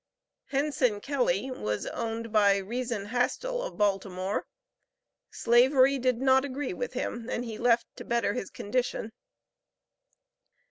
Henson Kelly was owned by Reason Hastell, of Baltimore. Slavery did not agree with him, and he left to better his condition.